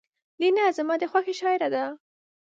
لینا زما د خوښې شاعره ده